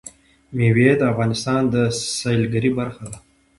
مېوې د افغانستان د سیلګرۍ برخه ده.